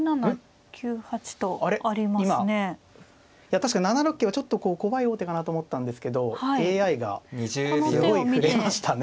確かに７六桂はちょっと怖い王手かなと思ったんですけどＡＩがすごい振れましたね。